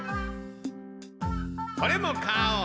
これも買おう。